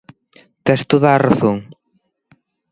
Tes toda a razón.